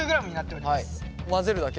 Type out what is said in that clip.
はい混ぜるだけ？